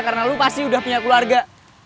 karena lu pasti udah punya keluarga